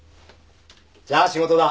じゃあ仕事だ。